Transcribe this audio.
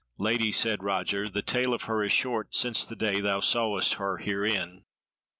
"Lady," said Roger, "the tale of her is short since the day thou sawest her herein.